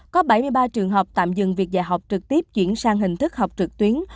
có bảy mươi ba trường hợp tạm dừng việc dạy học trực tiếp chuyển sang hình thức học trực tuyến